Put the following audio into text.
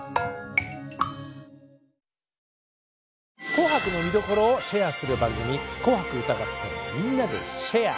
「紅白」の見どころをシェアする番組「紅白歌合戦＃みんなでシェア！」。